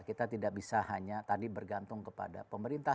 kita tidak bisa hanya tadi bergantung kepada pemerintah